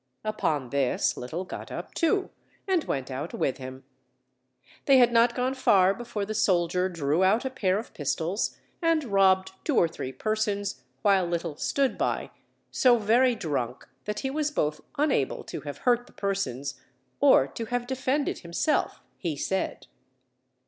Upon this Little got up, too, and went out with him. They had not gone far before the soldier drew out a pair of pistols, and robbed two or three persons, while Little stood by, so very drunk that he was both unable to have hurt the persons, or to have defended himself, he said.